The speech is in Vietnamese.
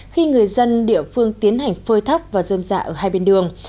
khi người dân địa phương tiến hành phơi thấp và rơm rạ ở hai bên đường